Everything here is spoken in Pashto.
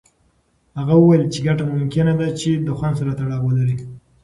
هغه وویل چې ګټې ممکنه ده چې د خوند سره تړاو ولري.